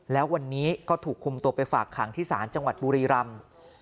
แล้ววันนี้ก็ถูกคุมตัวไปฝากขังที่ศาลจังหวัดบุรีรำ